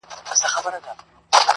چي راغلی یې پر ځان د مرګ ساعت وي -